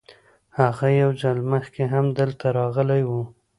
هغه یو ځل مخکې هم دلته راغلی و.